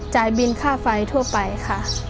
บินค่าไฟทั่วไปค่ะ